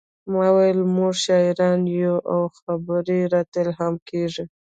ما وویل موږ شاعران یو او خبرې راته الهام کیږي